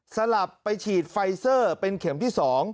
สลับไปฉีดไฟเซอร์เป็นเข็มที่๒